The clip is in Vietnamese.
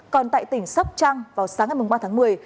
còn tại tỉnh sắp trăng vào sáng ngày ba một mươi